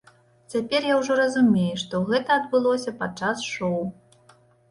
Цяпер я ўжо разумею, што гэта адбылося падчас шоў.